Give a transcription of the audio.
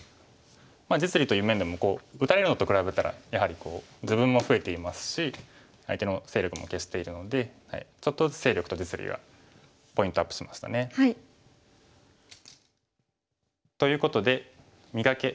実利という面でも打たれるのと比べたらやはり自分も増えていますし相手の勢力も消しているのでちょっとずつ勢力と実利がポイントアップしましたね。ということで「磨け！